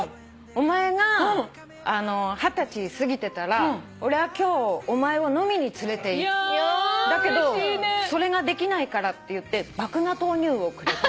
「お前が二十歳過ぎてたら俺は今日お前を飲みに連れていく」だけどそれができないからっていって麦芽豆乳をくれた。